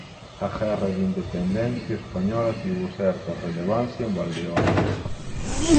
A Guerra da Independencia Española tivo certa relevancia en Valdeorras.